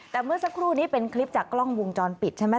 แต่เมื่อสักครู่นี้เป็นคลิปจากกล้องวงจรปิดใช่ไหม